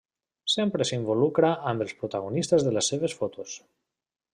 Sempre s'involucra amb els protagonistes de les seves fotos.